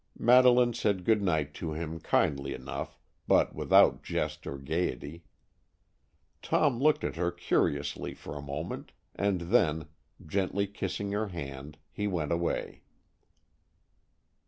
Madeleine said good night to him kindly enough, but without jest or gaiety. Tom looked at her curiously for a moment, and then, gently kissing her hand, he went away.